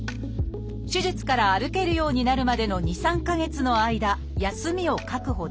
手術から歩けるようになるまでの２３か月の間休みを確保できる。